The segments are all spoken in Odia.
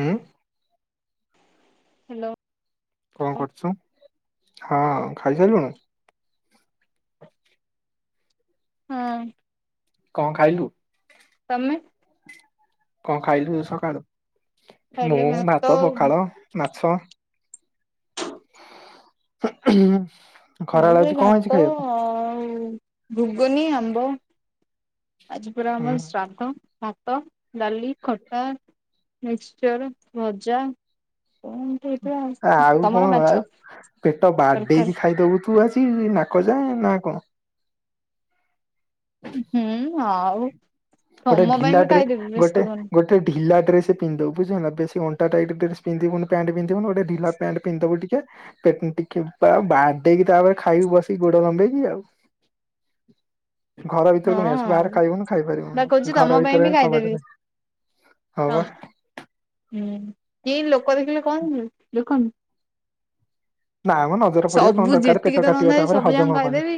ହୁଁ ହ୍ୟାଲୋ କଣ ହଁ କରୁଛୁ? ହଁ ଖାଇସାରିଲୁଣି ହଁ କଣ ଖାଇଲୁ? - ତମେ କଣ ଖାଇଲୁ ସକାଳେ, ମୁଁ ଭାତ, ପଖାଳ, ମାଛ [unintelligible] ହଁ ସେ ଆଜି କଣ ହେଇଛି ଭାତ ଖାଇବାକୁ? ଘୁଗୁନି ଆମ୍ବ ଆଜି ପରା ହୁଁ ଆମର ଶ୍ରାଦ୍ଧ ଭାତ, ଡାଲି, ଖଟା ମିକ୍ଚର୍ ଭଜା ହେଇଥିଲା ଆଉ ତମର କଣ ଆଉ ମାଛ ପେଟ ତରକାରୀ ବାଡେଇକି ଖାଇଦବୁ। ତୁ ଆସି ନାକ ଯାଏ ନା କଣ। ହୁଁ ଆଉ। ଗୋଟେ ତମ ଢିଲା ପାଇଁ ବି ଡ୍ରେ ଖାଇଦେବି ଗୋଟେ ବ୍ୟସ୍ତ ହୁଅନି ଗୋଟେ ଗୋଟେ ଢିଲା ଡ୍ରେସ୍ ପିନ୍ଧୁଦବୁ ବୁଝିଲୁ ନା ବେଶୀ ଅଣ୍ଟା ଟାଇଟ୍ ଡ୍ରେସ୍ ପିନ୍ଧିବୁନି ପ୍ୟାଣ୍ଟ ପିନ୍ଧିବୁ ନୁ ଗୋଟେ ଢିଲା ପ୍ୟାଣ୍ଟ୍ ପିନ୍ଧି ଦବୁ ଟିକେ। ପେଟ ଟିକେ ବାଡେଇକି ତାପରେ ଖାଇବୁ ବସିକି ଗୋଡ ଲମ୍ଭେଇକି ଆଉ। ଘର ଭିତରକୁ ନେଇ ହଁ ଆସିବୁ ଆଉ ବାହାରେ ଖାଇବୁନୁ ବା ଖାଇପାରିବୁନି। କହୁଛି ଘର ତମ ପାଇଁ ଭିତରେ ବି କବାଟ ଖାଇଦେବି ଦେଇ ହଁ ତମ ବା। ହୁଁ କିଏ ଲୋକ ଦେଖିଲେ କଣ ଦେଖନ୍ତୁ। ନା ମ ନଜର ପଡିବ କଣ ସବୁ ଦରକାର ଯେତିକି ପେଟ ତ କାଟିବ ରନ୍ଧା ହେଇଚି ତାପରେ ସବୁ ଯାକ ହଜମ ହବନି। ଖାଇଦେବି।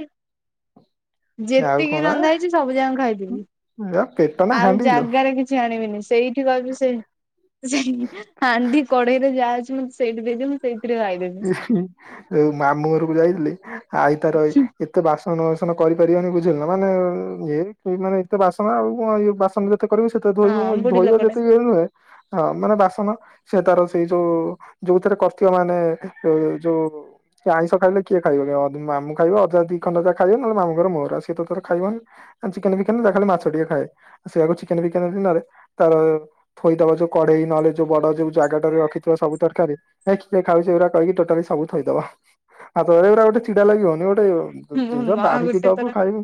ଯେତିକି ରନ୍ଧା ହେଇଛି ସବୁ ଯାକ ଖାଇଦେବି। ନା [unintelligible] ପେଟ ନା ଆଉ ହାଣ୍ଡି ଲୋ। ଜାଗାରେ କିଛି ଆଣିବିନି ସେଇ କି କହୁଛୁ ସେଇ ସେଇ ହାଣ୍ଡି କଡେଇରେ ଯାହା ଅଛି ମତେ ସେଇଠି ଦେଇଦିଅ ସେଇଥିରେ ଖାଇଦେବି। ଯଉ ମାମୁଁ ଘରକୁ ଯାଇଥିଲି ଆଇ ତାର ଏତେ ବାସନ ବାସନ କରିପାରିବନି ବୁଝିଲୁ ନା ମାନେ ଇଏ ମାନେ ଏତେ ବାସନ ଆଉ କଣ ବାସନ ଯେତେ କରିବି ସେତେ ଧୋଇ ହଁ ବୁଢୀ ଧୋଇ ବା ଲୋକଟା ଯେତିକି ଇଏ ନୁହେଁ ହଁ ମାନେ ବାସନ ସେ ତାର ସେଇ ଯୋଉ ଯୋଉଥିରେ କର୍ଥିବ ମାନେ [unintelligible] ଯୋଉ ଆଇଁଷ ଖାଇଲେ କିଏ ଖାଇବ ମାମୁଁ ଖାଇବ ଅଜା ଦି ଖଣ୍ଡ ଯା ଖାଇବେ ନଲେ ମାମୁଁଙ୍କର ମୋର ସିଏ ତ ତାର ଖାଇବନି। ଚିକେନ୍ ଫିକେନ୍ ଯାହା ମାଛ ଟିକେ ଖାଏ ସେଆକୁ ଚିକେନ୍ ବିକେନ୍ ଦିନରେ ତାର ଥୋଇଦବ ଯୋଉ କଢେଇ ନହଲେ ଯୋଉ ବଡ ଯୋଉ ଜାଗାଟାରେ ରଖିଥିବା ସବୁ ତରକାରୀ ହେ କିଏ ଖାଉଚି ଏରା କହିକି ଟୋଟାଲି ସବୁ ଥୋଇଦବ ହାତ ପୁରା ଗୋଟେ ଚିଡା ଲାଗିବନି ଗୋଟେ ମୋ ଜିନିଷ ମା ବାଢିକି ଗୋଟେ ଥର ଦବୁ ଖାଇବୁ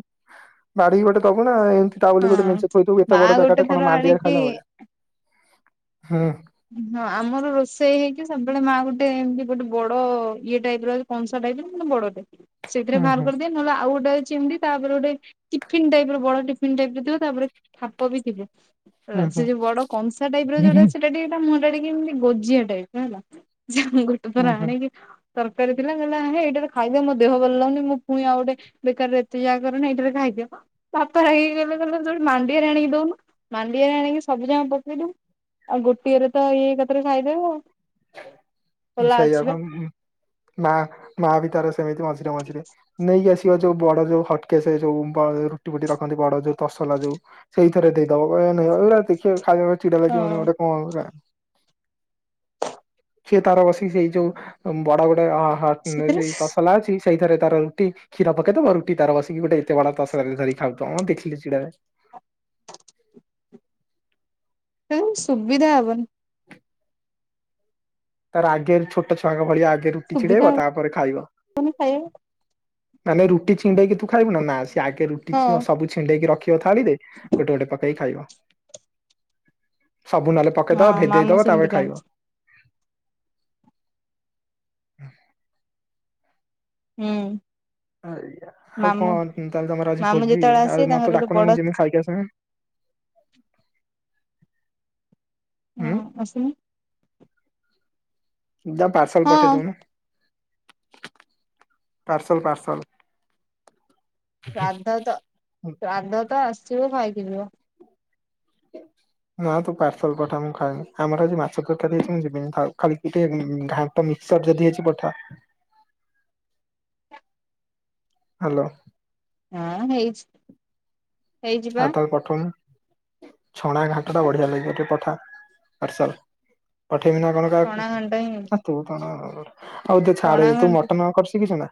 ବାଢିକି ଗୋଟେ ଦବୁ ନା ଏମିତି ତା ବୋଲି ହଁ ଗୋଟେ ମେଞ୍ଚ ଥୋଇଦବୁ ଏତେ ମା ବଡ ଜାଗା ଗୋଟେ ଟା ଥର କଣ ମାଣ୍ଡିଆରେ ଆଣିକି ଖାଇଲା ଭଳିଆ ହୁଁ। ହଁ ଆମର ରୋଷେଇ ହେଇକି ସବୁବେଳେ ମାଆ ଗୋଟେ ଏମିତି ଗୋଟେ ବଡ ଇଏ ଟାଇପ୍ ର କଂସା ଟାଇପ ର କିନ୍ତୁ ବଡଟେ ସେଥିରେ ହୁଁ ବାହାର ହୁଁ କରିଦିଏ ନଲେ ଆଉ ଗୋଟେ ଅଛି ଏମିତି ତାପରେ ଗୋଟେ ଟିଫିନ୍ ଟାଇପ୍ ର ବଡ ଟିଫିନ୍ ଟାଇପ୍ ର ଥିବ ତା ଉପରେ ଖାପ ବି ଥିବ। ହେଲା ହୁଁ ସେ ଯୋଉ ବଡ କଂସା ଟାଇପ୍ ର ହୁଁ ଯୋଉଟା ଅ ଟିକେ ତା ମୁହଁ ଟା ଟିକେ ଏମିତି ଗୋଜିଆ ଟାଇପ୍ ର ହେଲା ଯେ ଆମେ ଗୋଟେ ହୁଁ ଥର ହୁଁ ଆଣିକି ତରକାରୀ ଥିଲା କହିଲା ହେ ଏଇଟାରେ ଖାଇଦେ ମୋ ଦେହ ଭଲ ଲାଗୁନି ପୁଣି ଆଉ ଗୋଟେ ବେକାରେ ଏତିକି ଯାଗା କରନି ଏଇଟା ରେ ଖାଇଦିଅ। ବାପା ରାଗିକି କହିଲେ କହିଲେ ତୁ ମାଣ୍ଡିଆରେ ଆଣିକି ଦଉନୁ ମାଣ୍ଡିଆରେ ଆଣିକି ସବୁଜାଁକ ପକେଇ ଦଉ ଆଉ ଗୋଟିଏରେ ତ ଇଏ ଏକାଥରେ ଖାଇଦବ ଆଉ। ଖୋଲା ଅଛି ସେଇଆପା ବା ମା ମା ବି ତାର ସେମିତି ମଝିରେ ମଝିରେ ନେଇକି ଆସ ଯୋଉ ବଡ ଯୋଉ ହଟକେସ୍ ଯୋଉ ରୁଟି ବୁଟି ରଖନ୍ତି ବଡ ଯୋଉ ତସଲା ଯୋଉ ସେଇ ଥେରେ ଦେଇଦବ କହିବ ଏ ନେ ଏଇରା ଦେଖିବା ଖାଇବା ପାଇଁ ଚିଡା ଲାଗିବନି ହଁ ଗୋଟେ କଣ ଏଉରା। ସିଏ ତାର ବସିକି ସେଇ ଯୋଉ ବଡ ଗୋଟେ ସେଥିରେ ସେ ତସଲା ଅଛି ସେଇଥିରେ ତାର ରୁଟି କ୍ଷୀର ପକେଇଦବ ରୁଟି ତାର ବସିକି ଗୋଟେ ଏତେ ବଡ଼ ତସଲାରେ ଧରି ଖାଉଥିବ ମତେ ଦେଖିଲେ ଚିଡ଼ା ଲାଗେ। ସୁବିଧା ହବନି। ତାର ଆଗେ ଛୋଟ ଛୁଆଙ୍କ ଭଳିଆ ଆଗେ ରୁଟି ସୁବିଧା ଛିଡେଇବ ତାପରେ ଖାଇବ। ହବନି ଖାଇବାକୁ ମାନେ ରୁଟି ଛିଣ୍ଡେଇକି ତୁ ଖାଇବୁ ନା, ନା ସେ ଆଗେ ରୁଟି ହଁ। ସବୁ ଛିଣ୍ଡେଇକି ରଖିବ ଥାଳିରେ, ଗୋଟେ ଗୋଟେ ପକେଇ କି ଖାଇବ। ସବୁ ନହେଲେ ପକେଇଦବ, ହଁ ମାମୁଁ ଭେଦେଇଦବ ସେମିତି ତାପରେ ଖାଇବ। କାନ୍ଦୁଛି [inaudible] ହୁଁ। ହଁ ଏଇଆ। ଆଉ ମାମୁଁ କଣ ତାଲେ ତମର ଆଜି ମାମୁଁ ଭୋଜି ଯେତେବେଳେ ଆଉ ଆସିବେ ତାଙ୍କର ମତେ ଗୋଟେ ଡାକୁନ ବଡ ମୁଁ ଯିମି ଖାଇକି ଆସବି। [inaudible] ହଁ ଆସୁନ। ଦା ପାର୍ସଲ ପଠେଇ ହଁ ଦେଉନୁ। Parcel parcel. ଶ୍ରାଦ୍ଧ ତ ଶ୍ରାଦ୍ଧ ତ ଆସିବ ଖାଇକି ଯିବ। ନା ତୁ ପାର୍ସଲ ପଠା ମୁଁ ଖାଇବି। ଆମର ଆଜି ମାଛ ତରକାରୀ ହେଇଛି ମୁଁ ଯିବିନି ଥାଉ। ଖାଲି ଟିକିଏ ଘାଣ୍ଟ ମିକ୍ସର ଯଦି ହେଇଛି ପଠା। ହ୍ୟାଲୋ? ହଁ ହେଇଛି। ହେଇଛି ପା ଆଉ ତାହେଲେ ପଠଉନୁ। ଛଣା ଘାଣ୍ଟ ଟା ବଢିଆ ଲାଗିବ ଟିକେ ପଠା ପାର୍ସଲ ପଠେଇବିନା କଣ, ପଣା [unintelligible] ଘଣ୍ଟ ହିଁ ଆଉ ତୁ ଛାଡ ପଣା ତୁ ଘଣ୍ଟ ମଟନ କରି ଶିଖିଛୁ ନା?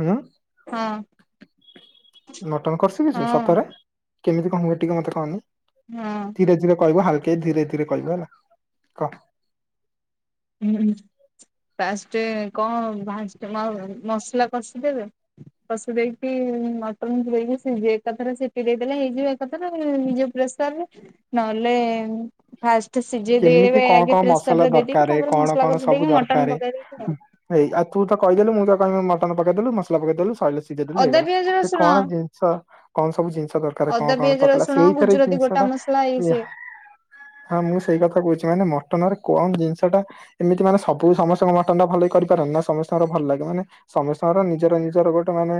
ଉଁ ହଁ ମଟନ କରି ଶିଖିଚୁ ହଁ ସତରେ? କେମିତି କଣ ହୁଏ ଟିକେ ମତେ କହନି? ହଁ। ଧୀରେ ଧୀରେ କହିବୁ ହାଲକେଇ ଧୀରେ ଧୀରେ କହିବୁ ହେଲା କହ। ହଁ, ଫାଷ୍ଟେ କଣ ଫାଷ୍ଟ ମସଲା କଷିଦେବେ। କଷି ଦେଇକି ମଟନ ଧୋଇକି ସେ ଏକଥାରେ ସିଟି ଦେଇଦେଲେ ହେଇଯିବ ଏକାଥରେ ହେଇଯିବ ପୁରା ନହଲେ ଫାଷ୍ଟ ସିଝେଇ କେମିତି ଦେବେ କଣ ଆଗେ କଣ ମସଲା ପ୍ରେସରରେ ଦେଇ ଦେଇକି। ଦରକାରେ ତାପରେ କଣ ମସଲା କଷି ଦେଇକି ମଟନ ପକେଇ ଦେଇକି ଆଉ। ହେଇ ଆଉ ତୁ ତ କହିଦେଲୁ ମୁଁ ତ କହିବି ମଟନ ପକେଇ ଦେଲୁ ମସଲା ପକେଇଦେଲୁ ସଇଲା ସିଝେଇ ଦେଲୁ ଅଦା ହେଇଗଲା। ପିଆଜ ରସୁଣ କଣ ଜିନିଷ କଣ ସବୁ ଜିନିଷ ଦରକା ର କଣ ଅଦା କଣ ପିଆଜ ପକେଇଲା ରସୁଣ ସେଇଥିରେ ଗୁଜୁରାତି ଜିନିଷ ଗୋଟା ଟା ମସଲା ଇଏ ସିଏ ହଁ ମୁଁ ସେଇ କଥା କହୁଛି ମାନେ ମଟନରେ କଣ ଜିନିଷ ଟା ଏମିତି ମାନେ ସବୁ ସମସ୍ତେ କଣ ମଟନ ଟା ଭଲେଇକି କରିପାରନ୍ତି ନା ସମସ୍ତଙ୍କର ଭଲ ଲାଗେ? ମାନେ ସମସ୍ତଙ୍କର ନିଜର ନିଜର ଗୋଟେ ମାନେ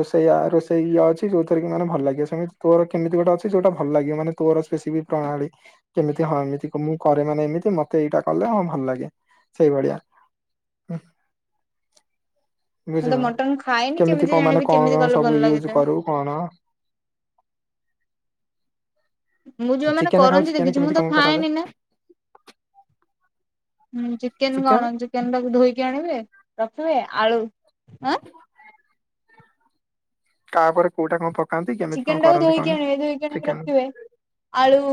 ରୋଷେଇୟା ରୋଷେଇ ଇଏ ଅଛି ଯୋଉଥିରେ କି ମାନେ ଭଲ ଲାଗିବ, ସେମିତି ତୋର କେମିତି ଗୋଟେ ଅଛି ଯୋଉଟା ଭଲ ଲାଗିବ ମାନେ ତୋର ସ୍ପେସିଫିକ ପ୍ରଣାଳୀ ଯେମିତି ହଁ ଏମିତି ମୁଁ କରେ ମାନେ ଏମିତି ମତେ ଏଇଟା କଲେ ହଁ ଭଲ ଲାଗେ ସେଇଭଳିଆ। ମୁଁ ବୁଝିଲୁ ତ ନା? ମଟନ ଖାଏନି କେମିତି କଣ ଜାଣିବି ମାନେ କଣ କେମିତି କଣ କଲେ ସବୁ ଭଲ ୟୁଜ ଲାଗିଥାଏ କରୁ କଣ ମୁଁ ଯୋଉମାନେ ଚିକେନ ଖାଉ କରନ୍ତି ଚିକେନ ଦେଖିଛି। ମୁଁ କେମିତି ତ କଣ କରାଯାଏ ଖାଏନି ନା। ହୁଁ ଚିକେନ କଣ ଚି ଚିକେନ ଟାକୁ ଧୋଇକି ଆଣିବେ, ରଖିବେ, ଆଳୁ ତାପରେ କଉଟା କଣ ପ ଚିକେନ ଟାକୁ ଧୋଇକି ଆଣିବେ ଧୋଇକି ଆଣିକି ରଖିବେ। ଆଳୁ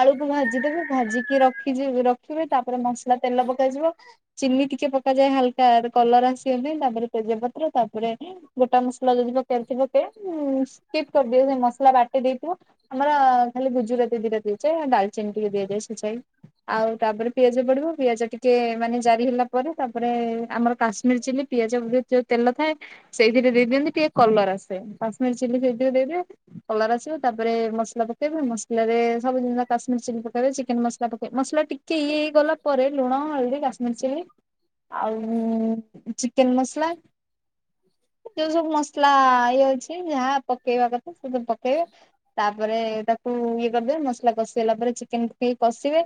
ଆଳୁକୁ ଭାଜିଦେବେ ଭାଜିକି ରଖି ଜି ରଖିବେ ତାପରେ ମସଲା ତେଲ ପକାଯିବ। ଚିନି ଟିକେ ପକାଯାଏ ହାଲକା କଲର ଆସିବା ପାଇଁ ତାପରେ ତେଜପତ୍ର ତାପରେ ଗୋଟା ମସଲା ଯଦି ପକେଇବାର ଥିବ ପକେଇବ। ଉ ସ୍କିପ କରିଦିଅ ମସଲା ବାଟି ଦେଇଥିବ ଆମର ଖାଲି ଗୁଜୁରାତି ଦିଟା ଦିଆଯାଏ ଆଉ ଡାଲଚିନି ଟିକେ ଦିଆଯାଏ ଛେଚାହେଇ। ଆଉ ତାପରେ ପିଆଜ ପଡିବ ପିଆଜ ଟିକେ ମାନେ ଜାରି ହେଲା ପରେ ତାପରେ ଆମର କାଶ୍ମୀର ଚିଲ୍ଲି ପିଆଜ ଭିତରେ ଯୋଉ ତେଲ ଥାଏ ସେଇଥିରେ ଦେଇଦିଅନ୍ତି ଟିକେ କଲର ଆସେ କଶ୍ମୀରୀ ଚିଲ୍ଲି ସେଇଥିରେ ଦେଇଦେବେ। କଲର ଆସିବ ତାପରେ ମସଲା ପକେଇବେ ମସଲାରେ ସବୁ ଜିନିଷ କାଶ୍ମୀର ଚିଲ୍ଲି ପକେଇବେ ଚିକେନ ମସଲା ପକେଇବେ। ମସଲା ଟିକେ ଇଏ ହେଇଗଲା ପରେ ଲୁଣ ହଳଦୀ କାଶ୍ମୀର ଚିଲ୍ଲି ଆଉ ଚିକେନ ମସଲା। ଯୋଉ ସବୁ ମସଲା ଇଏ ଅଛି ଯାହା ପ କେଇବା କଥା ସେ ସବୁ ପକେଇବେ। ତାପରେ ତାକୁ ଇଏ କରିଦେବେ ମସଲା କଷିହେଲା ପରେ ଚିକେନକୁ ପକେଇ କଷିବେ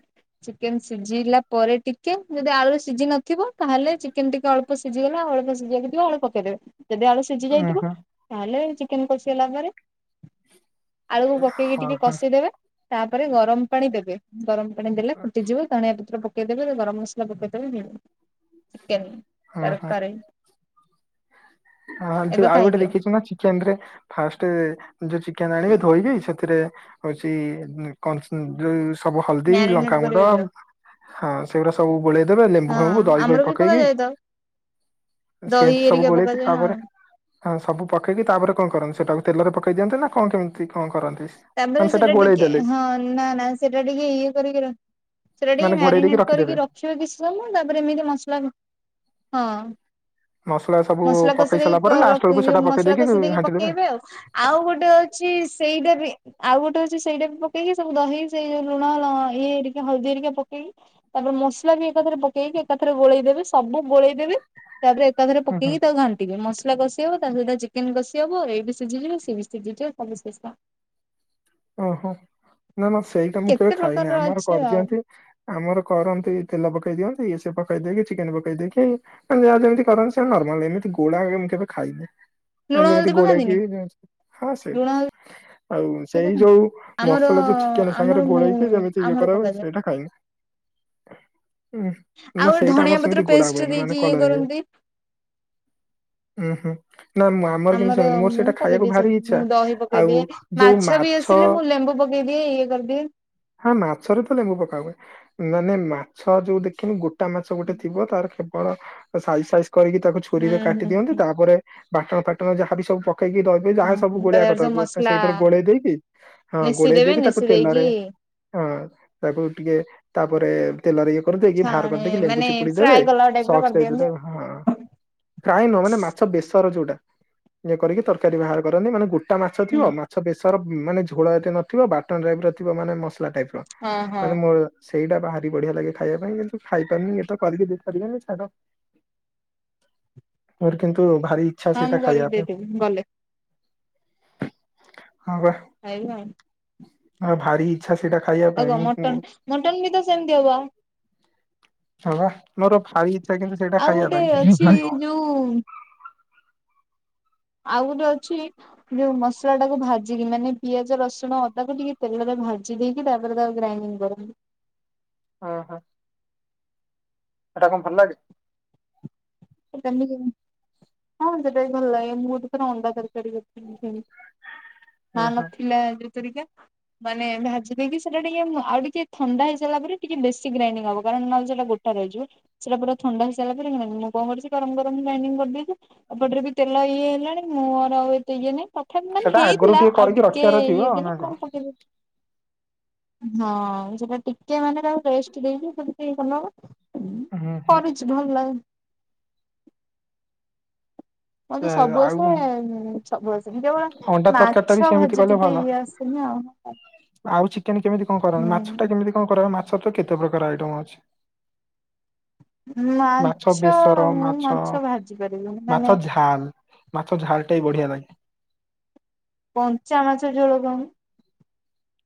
ଚିକେନ ସିଝିଲା ପରେ ଟିକେ ଯଦି ଆଳୁ ସିଝି ନଥିବ ତାହେଲେ ଚିକେନ ଟିକେ ଅଳ୍ପ ସିଝିଗଲା ଆ ଅଳପ ସିଝିବାକୁଥିବ ଆଳୁ ପକେଇଦେବେ ଯଦି ଆଳୁ ସି ସିଝି ଉଁ ଯାଇଥିବ ହୁଁ ତାହେଲେ ଚିକେନ କଷିଗଲା ପରେ ଆଳୁକୁ ପକେଇକି ହଁ ଟିକେ ହଁ କଷିଦେବେ ତାପରେ ଗରମ ପାଣି ଦେବେ। ଗରମ ପାଣି ଦେଲେ ଫୁଟିଯିବ ଧଣିଆ ପତ୍ର ପକେଇଦେବେ ଗରମ ମସଲା ପକେଇଦେବେ ହେଇଗଲା। ଚିକେନ ହଁ ହଁ ତରକାରୀ। ହଁ ଯୋଉ ଏବେ ଆଉ ଗୋଟେ ଖାଇଦିଅ ଦେଖିଛୁ ନା ଚି କେନରେ ଫାଷ୍ଟ ଯୋଉ ଚିକେନ ଆଣିବେ ଧୋଇକି ସେଥିରେ ହଉଛି କନ୍ ଯୋଉ ସବୁ ହଳଦୀ ମ୍ୟାରିନେଟ କରିବେ ଲଙ୍କାଗୁଣ୍ଡ ଯୋଉ ହଁ ସେଗୁରା ସବୁ ଗୋଳେଇଦେବେ ଲେମ୍ବୁେ ହଁ ଫେମ୍ୱୁ ଦହି ଆମର ଫହି ବି ପକେଇକି ପକାଯାଏ ତ ଦହି ସେମତି ସବୁ ଏରିକା ଗୋଳେଇକି ପକାଯାଏ ହଁ ତାପରେ ହଁ ସବୁ ପକେଇକି ତାପରେ କଣ କରନ୍ତିୁ ସେଟାକୁ ତେଲରେ ପକେଇ ଦିଅନ୍ତ ନା କଣ କେମିତି କଣ କରନ୍ତି? ତାପରେ ମାନେ ସେଟା ଗୋଳେଇ ଟିକେ ଦେଲେ ହଁ ନା ନା ସେଟା ଟିକେ ଇଏ କରିକି ରହ ସେଟା ଟିକେ ମାନେ ଘୋଡେଇ ଦେଇକି ମ୍ୟାରିନେଟ୍ କରିକି ରଖିଦେବେ ରଖିବେ କିଛି ସମୟ ତାପରେ ଏମିତି ମସଲା ହଁ ମସଲା ସବୁ ମସଲା କଶି ପକେଇ ସାରିଲା ପରେ ଦେଇକି ଲାଷ୍ଟ ରଖ ବେଳକୁ ସେଟା ପକେଇ ମସଲା କଷି ଦେଇକି ଘାଣ୍ଟି ଦେବେ। ପକେଇବେ ଆଉ। ଆଉ ଗୋଟେ ଅଛି ସେଇଟା ଆଉ ଗୋଟେ ହୋଉଛି ସେଇଟା ବି ପକେଇକି ସବୁ ଦହି ସେଇ ଯୋଉ ଲୁଣ ଲ ଇଏ ହେରିକା ହଳଦୀ ହେରିକା ପକେଇକି ତାପରେ ମସଲା ବି ଏକାଥରେ ପକେଇକି ଏକାଥରେ ଗୋଳେଇଦେବେ ସବୁ ଗୋଳେଇଦେବେ ତାପରେ ଏକାଥରେ ହୁଁ ହୁଁ ପକେଇକି ତାକୁ ଘା ଟିକେ ମସଲା କଷି ହବ ତା ସହିତ ଚିକେନ କଷି ହବ ଏଇବି ସିଝିଯିବ ସିଏବି ସିଝି ଯିବ ସବୁ ଶେଷ। ଓହୋ ନା ନା ସେଇଟା ମୁଁ କେବେ କେତେ ଖାଇନି ପ୍ରକାରର ଆମର ଅଛି ଆଉ କରିଦିଅନ୍ତି ଆମର କରନ୍ତି ତେଲ ପକେଇ ଦିଅନ୍ତି ସେ ପକେଇ ଦେଇକି ଚିକେନ ପକେଇ ଦେଇକି ଯାହା ଯେମିତି କରନ୍ତି ସେମିତି ନର୍ମାଲ ଏମିତି ଗୋଳାଗୋ ମୁଁ କେବେ ଖାଇନି। ଲୁଣ ମାନେ ଯେମିତି ହଳଦୀ ପକାନ୍ତିନି ଗୋଳେଇକି ହଁ ସେ ଲୁଣ ହଳଦୀ ଆଉ ସେଇ ଯୋଉ ଆମର ମସଲା ଯୋଉ ଚିକେନ ଆମର ସାଙ୍ଗରେ ମୁଁ ଗୋଳେଇକି ଯେମିତି ଇଏ ଆମର କରାହୁଏ ପକାଯାଏ ସେଇ ଖାଇନି। ହୁଁ ଆଉ ନା ଗୋଟେ ସେଇଟା ଧଣିଆ ଆମର ପତ୍ର ସେମିତି ଗୋଳା ପେଷ୍ଟ ହୁଏନି ଦେଇକି ମାନେ ଇଏ କଲରେ ହୁଏ। କରନ୍ତି। ଉୁଁ ହୁଁ ନା ମୁଁ ଆମର କିନ୍ତୁ ସେମିତି ମୋର ମୁଁ ସେଇଟା ଖାଇବାକୁ ପକେଇଦିଏ ସବୁ ଭାରି ଇଚ୍ଛା ଆଉ ଯୋଉ ମା ଥିଲେ ମୁଁ ଲେମ୍ବୁ ପକେଇଦିଏ ଇଏ କରିଦିଏ। ହଁ ମାଛରେ ତ ଲେମ୍ବୁ ପକା ହୁଏ ମାନେ ମାଛ ଯୋଉ ଦେଖିନୁ ଗୋଟେ ଟା ମାଛ ଗୋଟେ ଥିବ ତାର କେବଳ ସାଇଜ ସାଇଜ୍ କରିକି ତାକୁ ହୁଁ ଛୁରୀରେ କାଟି ହୁଁ ଦିଅନ୍ତି ତାପରେ ବାଟଣ ଫାଟଣ ଯାହାବି ସବୁ ପକେଇକି ଦବେ ହୁଁ ଯାହା ସବୁ ହଁ ତା ଗୋଳେଇବା ଦେହରେ କଥା ସବୁ କ ମସଲା ସେଇଥିରେ ଗୋଳେଇ ଦେଇକି ହଁ ନେଶି ଗୋଳେଇ ଦେବେ ଦେଇକି ତାକୁ ନେଶି ଦେଇକି ତେଲରେ ହଁ ତାକୁ ଟିକେ ତାପରେ ତେଲରେ ଇଏ କରିଦେଇକି ବାହାର ଛାଣେ କରିଦେଇକି ଲେମ୍ବୁ ମାନେ ଚିପୁଡି ଫ୍ରାଏ ଦେବେ କଲା ଟାଇପ ର ସକ୍ସ କରିଦିଅନ୍ତି ଦେଇଦେବେ ଆଉ। ହଁ। ଫ୍ରାଏ ନୁ ମାନେ ମାଛ ବେଶର ଯୋଉଟା ଇଏ କରିକି ତରକାରୀ ବାହାର କରନ୍ତି ମାନେ ଗୋଟେ ଟା ମାଛ ହୁଁ ଥିବ ମାଛ ବେଶର ମାନେ ଝୋଳ ଏତେ ନଥିବ ବାଟନ ଟାଇପ ର ଥିବ ମାନେ ମସଲା ଟାଇପ ର। ହଁ ହଁ ମାନେ ମ ସେଇଟା ବାହାରି ବଢିଆ ଲାଗେ ଖାଇବା ପାଇଁ କିନ୍ତୁ ଖାଇପାରୁନି ଏଇ ତ କରିକି ଦେପାରିବେନି ଛାଡ଼। ମୋର କିନ୍ତୁ ଭାରି ଇଛା ହଁ ସେଇଟା କରିକି ଖାଇବା ପାଇଁ। ମୁଁ ଦେଇଦେବି ଗଲେ। ହଁ ବା। ଖାଇବୁ ଆଉ। ହଁ ଭାରି ଇଛା ସେଇଟା ଖାଇବା ଆଉ ପାଇଁ କଣ ମୁଁ ମଟନ ମଟନ ବି ତ ସେମିତି ହବ ହଁ ଵା ମୋର ଭାରି ଇଛା କିନ୍ତୁ ସେଇଟା ଆଉ ଖାଇବା ଗୋଟେ ପାଇଁ ଅଛି ଖାଇବ ଯୋଉ ଆଉ ଗୋଟେ ଅଛି ଯୋଉ ମସଲା ଟାକୁ ଭାଜିକି ମାନେ ପିଆଜ ରସୁଣ ଅଦାକୁ ଟିକେ ତେଲରେ ଭାଜି ଦେଇେ କି ତାପରେ ତାକୁ ଗ୍ରାଇଣ୍ଡଡିଙ୍ଗ କରି ଓ ହୋ ସେଟା କଣ ଭଲ ଲାଗେ? [inaudible] ହଁ ଯେଟା ବି ଭଲ ମୁଁ ସେଥିରେ ଅଣ୍ଡା ତରକାରୀ କରିଥିଲି ସେମିତି। ହଁ ହୁଁ ହୁଁ ନଥିଲା [unintelligible] ମାନେ ଭାଜି ଦେଇେଇକି ସେଇଟା ଟିକେ ଆଉ ଟିକେ ଥଣ୍ଡା ହେଇସଲା ପରେ ଟିକେ ବେଶୀ ଗ୍ରାଇଡ୍ରିଙ୍ଗ ହବ ନହେଟା ଗୋଟା [unintelligible] ସେଇଟା ପୁରା ଥଣ୍ଡା ହେଇସାରିଲା ପରେ [unintelligible] କଣ କରିଚି ଗରମ ଗରମ ଗ୍ରାଇଣ୍ଡିଙ୍ଗ କରିଦେଇଛିଉପଟରେ ବି ତେଲ ଇଏ ହେଇଲାଣି ମୁଁର ଆଉ ଏତେ ଇଏ ନାଇଁ। ତଥାପି ମାନେ ସେଟା ଆଗରୁ ହେଇଥିଲା ଆଉ କରିକି ଟିକେ ରଖିବାର ଥିବ ଇଏ ଦେଲେ ନା କଣ? ମୁଁ ପକେଇଦେଲି। ହଁ ସେଟା ଟିକେ ମାନେ ରେଷ୍ଟ ଦେଇଛି ସେ ଟିକ ଭଲ ହୁଁ ହୁଁ କରିଚି। ଭଲ। ମତେ ସବୁ ଆଉ ଆସେ, ଏ ସବୁ ଆସେ ଯୋଉ ରା ଅଣ୍ଡା ତରକାରୀ ଟା ବି ମାଛ ସେମିତି ଭାଜି କଲେ ଟିକେ ଭଲ। ଇଏ ଆସିନି ଆଉ। ଆଉ ଚିକେନ୍ କେମିତି କଣ କର, ମାଛ ଟା ହୁଁ କେମିତି କଣ କର? ମାଛ ତ କେତେ ପ୍ରକାର ଆଇଟମ୍ ଅଛି। ମାଛ ବେସର, ମାଛ ଭାଜି ପାରିବିନି। ମାନେ ମାଛ ଝାଲ୍ ମାଛ ଝାଲ ଟା ବି ବଢିଆ ଲାଗେ। କଞ୍ଚାମାଛ ଝୋଳ କଣ୍?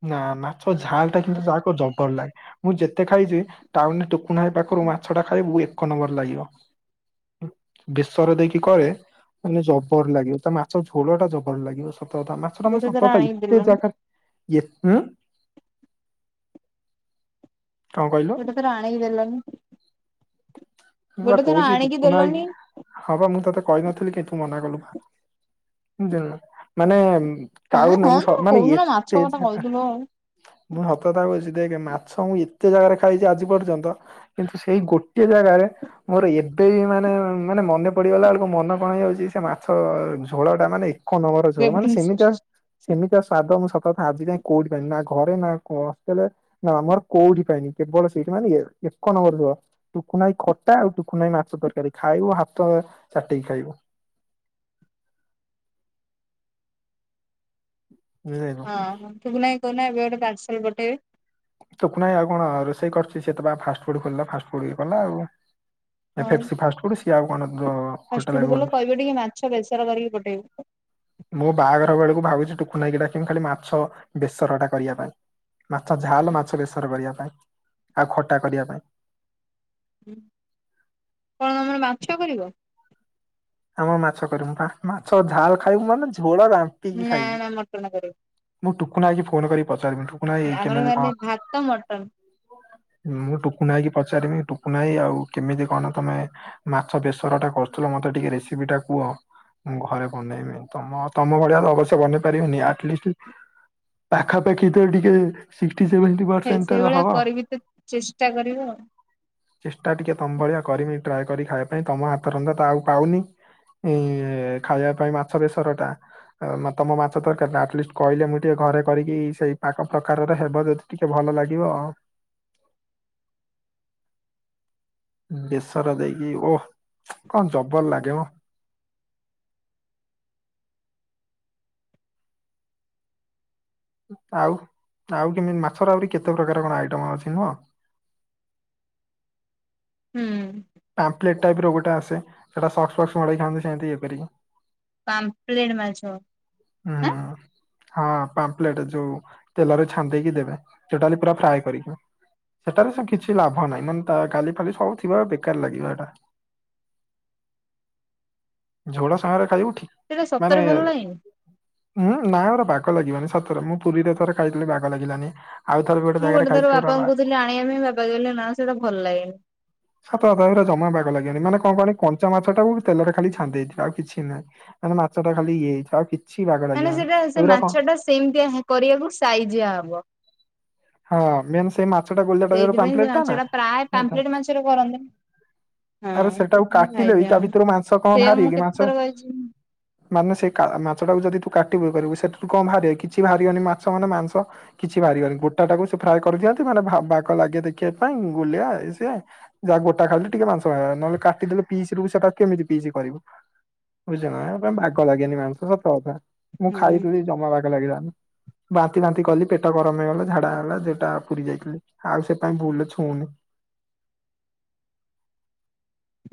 ନା, ନା, ମାଛ ଝାଲଟା କିନ୍ତୁ ଯାହାକୁ ଜବଲ ଲାଗେ ମୁଁ ଯେତେ ଖାଇଚି। ଟାଉନରେ ଟକୁନା ଭାଇପାଖରୁ ମାଛ ଟା ଖାଇବୁ ଏକ ନମ୍ବର ଲାଗିବ। ବେଶରଦେଇକି କରେ ମାନେ ଜବର ଲାଗେ ତା ମାଛ ଝୋଳ ଟା ଜବର ଲାଗିବ ସତକଥା ମାଛ ଟା ମୁଁ ଗୋଟେ ଥର ସତକଥା ଆଣିକି ଏତେ ଦେଲନି ଜାଗାରେ ଏତ୍ ହୁଁ। କଣ କହିଲ? ଗୋଟେ ଥର ଆଣିକି ଦେଲନି, ଗୋଟେ ଥର ଆଣିକି ଦେଲନି? ହବା ମୁଁ ତତେ କହିନଥିଲି କି ତୁ ମନା କଲୁ ବା ଦେ ମାନେ ହଁ କାଉନ୍ ହଁ ମୁଁ ତମେ ସର୍ମାନ କି କୋଉଦିନ ମାଛ ଏତେ କଥା ଝାକା କହିଥିଲ ହଁ ମୁଁ ସତକଥା କହୁଚି ଦେଖ୍ ମାଛ ମୁଁ ଏତେ ଜାଗାରେ ଖାଇଚି ଆଜି ପର୍ଯ୍ୟନ୍ତ, କିନ୍ତୁ ସେଇ ଗୋଟ ସେ ଜାଗାରେ ମୋର ଏତେ ବି ମାନେ ମାନେ ମନେ ପଡିଗଲା ବେଳକୁ ମନେ କଣ ହେଇଯାଉଚି, ସେ ମାଛ ଝୋଳ ଟା ମାନେ କନବର ଚଳ, ମାନେ ସେମିତିଆ ସେମିତି ସ୍ଵାଦ ମୁଁ ସତକଥା ଆଜି ଯାଇ କୋଉଠି ଫାଇନି ନା ଘରେ, ନାକୋଉ ହଷ୍ଟେଲରେ। ନା ଆମର କୋଉଠି ପାଇଁନି କେବଳ ସେଇଠି ମାନେ ଏ ଏକ ନଂବର ପୁରା। ଟୁକୁନା ଭାଇ ଖଟା ଆଉ ଟୁକୁନା ଭାଇମାଛ ତରକାରୀ ଖାଇବ ହାତ ଚାଟିକି ଖାଇବ। ବୁଝିପାଇଲୁ। ହଁ, ଟୁକୁନା ଭାଇକି କହୁନ ଏବେ ଗୋଟେ ପାର୍ସଲ ପଠେଇବେ। ଟୁକୁନା ଭାଇଆଉ କଣ ରୋଷେଇ କରୁଚି, ସିଏ ତ ବା ଫାଷ୍ଟଫୁଡ୍ ଖୋଲିଲା ଫାଷ୍ଟଫୁଡ୍ ଇଏ କଲା ଆଉ। ହଁ ଏଫସ୍ ଫାଷ୍ଟ ଫୁଡ୍ ସିଏ ଆଉ କଣ ହୋଟେଲ୍ ଫାଷ୍ଟଫୁଡ ଏବେ ବାଲା କହିବେ ଟିକେ ମାଛ ବେସର କରିକି ପଠେଇବେ। ମୋ ବାହାଘର ବେଳକୁ ଭାବୁଚି ଟୁକୁନା ଭାଇକି ଡା କିମି ଖାଲି ମାଛ ବେସରଟା କରିଆ ପାଇଁ। ତ ଝାଲ୍ ମାଛ ବେସର କରିଆ ପାଇଁ ଆଉ ଖଟା କରିଆ ପାଇଁ। କଣ ତମର ମାଛ କରିବ? ଆମର ମାଛ କରିବୁ ବାମାଛ ଝାଲ ଖାଇବୁ ମାନେ ଝୋଳ ରାମ୍ପିକି ନା ଖାଇବୁ। ନା ମଟନ କରିବ। ମୁଁ ଟୁକୁନା ବାଇକି ଫୋନ କରି ପଚାରିବି ଟୁକୁନା ବାଇ ଏ ଆମର କେମିତି ଖାଲି କଣ? ଭାତ ମଟନ ମୁଁ ଟୁକୁନା ଆଇକି ପଚାରିବି ଟୁକୁନା ଆଇ କେମିତି କଣ ତମେ ମାଛ ବେସର ଟା କରୁଥିଲ ମତେ ଟିକେ ରେସିପିଟା କୁହ। ମୁଁ ଘରେ ବନେଇବି ତମ, ତମ ଭଳିଆ ତ ଅବଶ୍ୟ ବନେଇ ପାରିବିନି ଆଟ୍ ଲି ଷ୍ଟ୍ ପାଖା ପାଖି ତ ଟିକେ ସିଷ୍ଟି ସେଭେଣ୍ଟି ପର୍ସେଣ୍ଟ ସେଇଭଳିଆ ହବ। କରିବି ତ ଚେଷ୍ଟା କରିବ ଆଉ ଚେଷ୍ଟା ଟିକିଏ ତମ୍ଭଳିଆ କରିବି ଟ୍ରାଏ କରିବି ଖାଇବା ପାଇଁ ତମ ହାତ ରନ୍ଧା ତ ଆଉ ପାଉନି। ଏଇ ଖାଇବା ପାଇଁ ମାଛ ବେସର ଟା। ଆଉ ତମ ମାଛ ତରକାରୀ ଟା ଆଟ୍ଲିଷ୍ଟି କହିଲେ ମୁଁ ଟିକେ ଘରେ କରିକି ସେଇ ପାକ ପ୍ରକାରର ହେବ ଯଦି। ଟିକେ ଭଲ ଲାଗିବ ଆଉ। ବେସର ଦେଇକି, ଓହ କଣ ଜବର ଲାଗେ ମ। ଆଉ ଆଉ କେମିତି ମାଛର ଆହୁରି କେତେ ପ୍ରକାର କଣ ଆଇଟମ ଅଛି, ନୁହଁ। ହୁଁ। ପାମ୍ପ୍ଲେଟ୍ ଟାଇପ ର ଗୋଟେ ଆସେ, ସେଟା ସକ୍ସ ଫକ୍ସ ମଡେଇ ଖାଆନ୍ତି, ସେମିତି ହେଇପାରିବ। ପାମ୍ପ୍ଲେଟ୍ ମାଛ। ହୁଁ। ଆଁ ହଁ ପାମ୍ପ୍ଲେଟ ଯୋଉ ତେଲରେ ଛାଣିଦେଇକି ଦେବେ, ଯୋଉଟା ପୁରା ଫ୍ରାଏ କରିକି। ସେଟାରେ ସେ କିଛି ଲାଭ ନାହିଁ ମାନେ ତା କାଲି ଫାଲି ସବୁ ଥିବା ପେକ୍ ବେକାର ଲାଗିବ ସେଟା, ଝୋଳ ସାଙ୍ଗରେଖାଇବ ଠିକ୍। ସେଇଟା ମାନେ ସତରେ ଭଲ ଲାଗେନି ହୁଁ ନାଇଁ ମୋ ବାଗ ଲାଗିବାନି ସତରେ ମୁଁ ପୁରୀରେଥରେ ଖାଇଥିଲି ବାଗ ଲାଗିଲାନି ଆଉ ଥରେ ବି ମୁଁ ଜାଗାରେ ଗୋଟେ ଥର ଖାଇଛି ପୁରା ବାପାଙ୍କୁ କହୁଥିଲି ଆଣିବା ପାଇଁ ବାପା କହିଲେ ନା ସେଇଟା ଭଲ ଲାଗେନି ସତ କଥା ଏଉରା ଜମା ବାଗ ଲାଗିବନି ମାନେ କଣ କଣଣି କଞ୍ଚା ମାଛ ଟାକୁ ତେଲରେ ଖାଲି ଛନ୍ଦି ଦେଇଥିବେ ଆଉ କିଛି ନାହିଁ ମାନେ ମାଛଟା ଖାଲି ଇଏ ହେଇ ଥିବ ଆଉ କିଛି ବାଗ ମାନେ ଲାଗିବନି ସେଇଟା ସେ ଏଗୁରା କଣ ମାଛ ଟା ସେମିତିଆ ହେ କରିବାକୁ ସାଇଜଆ ହବ ହଁ ମେନ ସେ ମାଛ ଟା ଗୋଲିଆ ଟାଇପି ର ପାପ୍ଲାଟେ ନା ସେଥିରେ କରନ୍ତି ଆରେ ହଁ ସେଟାକୁ ସେଥିପାଇଁ କାଟିଲେ ବି ସାଇଜିଆ ତା ହବ ଭିତରୁ ମାଂଛ କଣ ସେଇଆ ବାହାରି ମୁଁ କି ମାଛ କେତେଥର କହିଛି ମାନେ ସେ କା ମାଛଟାକୁ ଯଦି ତୁ କାଟିବୁ ଇଏ କରିବୁ ସେଠୁ କଣ ବାହାରିବ କିଛି ବାହାରିବନି ମାଛ ମାନେ ମାଂସ କିଛି ବାହାରିବନି ଗୋଟା ଟାକୁ ସେ ଫ୍ରାଏ କରିଦିଅନ୍ତି ମାନେ ଭା ବାଗ ଲାଗେ ଦେଖିବା ପାଇଁ ଗୁଲିଆ ଇଏ ସେ ଯା ଗୋଟା ଖାଇଲୁ ଟିକେ ମାଂସ ଖ ନହେଲେ କାଟିଦେଲେ ପିଇସି ରୁ ବି ସେଟା କେମିତି ପିଇିସି କରିବୁ ବୁଝ ନା ଏ କ ବାଗ ଲାଗେନି ମାଂସ ସତ କଥା ମୁଁ ହଁ ଖାଇଥିଲି ଜମା ବାଗ ଲାଗିିଲାନ ବାନ୍ତି ବାନ୍ତି କଲି ପେଟ ଗରମ ହେଇଗଲା ଝାଡା ହେ ଲା ଯେଟା ପୁରୀ ଯାଇଥିଲି ଆଉ ସେ ପାଇଁ ଭୁଲରେ ଛୁଉଁନି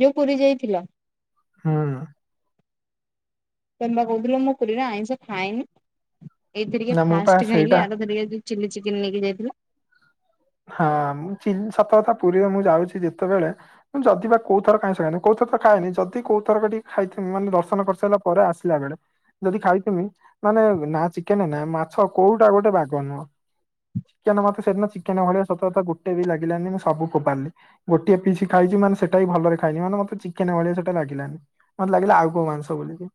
ଯୋଉ ପୁରୀ ଯାଇଥିଲ ହଁ ତ ବା କହୁଥିଲ ମୁଁ କୁରୀରେ ଆଇଁଷ ଖାଇନି ଏଇଥିରିକ ନା ମୁଁ ପା ଫାଷ୍ଟ ଖାଇଲି ସେଇଟା ଆରଥରିକା [unintelligible] ଚିଲି ଚିକେନ୍ ନେଇକି ଯାଇଥିଲା। ହଁ ମୁଁ ଚି ସତକଥା ପୁରୀରେ ମୁଁ ଯାଉଚି ଯେତେବେଳେ ମୁଁ ଯଦି ବା କୋଉଥର କାଇଁ [unintelligible] କୋଉ ଥର ତ ଖାଏନି, ଯଦି କୋଉଥର ଟିକେ ଖାଇଥିବି ମାନେ ଦର୍ଶନ କରିସାରିଲା ପରେ, ଆସିଲା ବେଳେ। ଯଦି ଖାଇଥିମି ମାନେ ନା ଚିକେନ, ନା ମାଛ କୋଉଟା ଗୋଟେ ବାଗ ନୁହଁ? ଚିକେନ୍ ମତେ ସେଦିିନ ଚିକେନ୍ ଭଳିଆ ସତ ଗୋଟେ ବି ଲାଗିଲାନି, ମୁଁ ସବୁ କ ଫୋପାଡ଼ିଲି। ଗୋଟିଏ ପିସି ଖାଇଛି, ମାନେ ସେଟା ହି ଭଲରେ ଖାଇନି, ମାନେ ମତେ ଚିକେନ୍ ଭଳିଆ ସେଟା ଲାଗିଲାନି। ମତେ ଲାଗିଲା କୋଉ ମାଂସ ବୋଲିକି।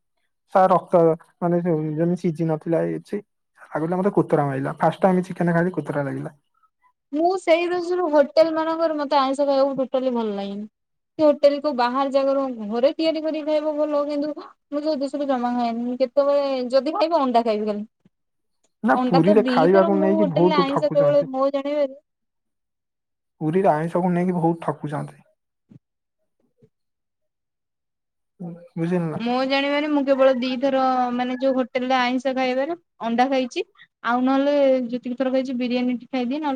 ସ ରକ୍ତ ମାନେ ଯେମିତି ସିଝି ନଥିଲା, ଛି। ଆଗ ତ ମତେ କୋତରା ମାଇଲା, ଫାଷ୍ଟ ଟାଇମ୍ ଚିକେନ୍ ଖାଇଲି, କୋତରା ଲାଗିଲା। ମୁଁ ସେଇ ଦୋଷୁରୁ ହୋଟେଲ ମାନଙ୍କରେ ମତେ ଆଇଁଷ ଖାଇବାକୁ ଟୋଟାଲି ଭଲ ଲାଗେନି। ସେ ହୋଟେଲ କୁ ବାହାର ଜାଗାରୁ, ଘରେ ତିଆରି କରି ଖାଇବ ଭଲ କିନ୍ତୁ ମୁଁ ଯୋ [unintelligible] ଜମା ଖାଏନି, କେତେବେଳେ ଯଦି ଖାଇବି ଅଣ୍ଡା ଖାଇବି ଖାଲି। ନା ଅଣ୍ଡା ତ ପୁରୀରେ ଦିଥର ଖାଇବାକୁ ମୁଁ ନେଇକି ହୋଟେଲରେ ବହୁତ ଆଇଁଷ କେବଳ ଠକୁଚନ୍ତି। ମୋ ଜାଣିବାରେ ପୁରୀରେ ଆଇଁଷକୁ ନେଇକି ବହୁତ ଠକୁଚନ୍ତି। ବୁଝିଲୁ ନା? ମୋ ଜାଣିବାରେ ମୁଁ କେବଳ ଦିଥର ମାନେ ଯୋଉ ହୋଟେଲରେ ଆଇଁଷ ଖାଇବାରେ ଅଣ୍ଡା ଖାଇଛି। ଆଉ ନହେଲେ ଯେତିକି ଥର ଖାଇଚି ବିରିୟାନୀ ଟି ଖାଇଦିଏ, ନହେଲେ